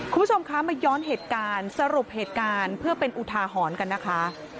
คุณผู้ชมคะมาย้อนเหตุการณ์สรุปเหตุการณ์เพื่อเป็นอุทาหรณ์กันนะคะ